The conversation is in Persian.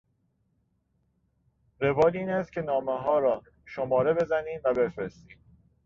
روال این است که نامهها را شماره بزنیم و بفرستیم.